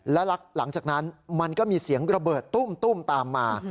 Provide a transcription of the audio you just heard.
แล้วหลังจากนั้นมันก็มีเสียงระเบิดตุ้มตามมา